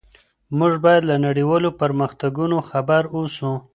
موږ بايد له نړيوالو پرمختګونو خبر اوسو.